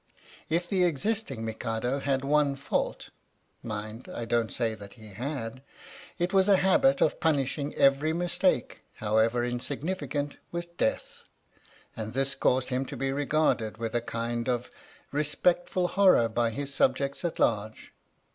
If the existing Mikado had one fault (mind, I don't say that he had), it was a habit of punishing every mistake, however insignificant, with death, and this caused him to be regarded with a kind of respectful horror by his subjects at large.